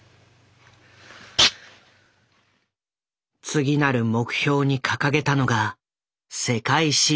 次なる目標に掲げたのが世界進出。